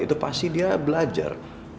itu pasti dia belajar